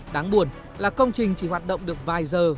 đáng buồn là công trình chỉ hoạt động được vài giờ